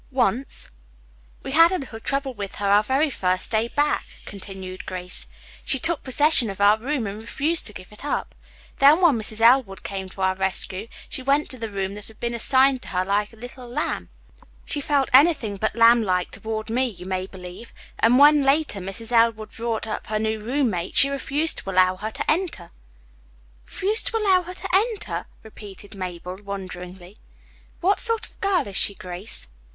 "Once." "We had a little trouble with her our very first day back," continued Grace. "She took possession of our room and refused to give it up. Then when Mrs. Elwood came to our rescue, she went to the room that had been assigned to her like a lamb. She felt anything but lamblike toward me, you may believe, and when later Mrs. Elwood brought up her new roommate, she refused to allow her to enter." "Refused to allow her to enter," repeated Mabel wonderingly. "What sort of girl is she, Grace?"